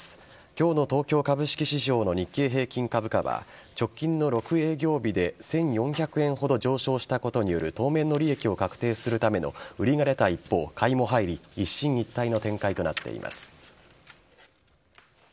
今日の東京株式市場の日経平均株価は直近の６営業日で１４００円ほど上昇したことによる当面の利益を確定するための売りが出た一方買いも入り一進一退の展開となっています。